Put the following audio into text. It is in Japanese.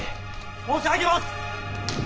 申し上げます！